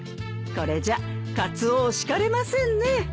これじゃカツオを叱れませんね。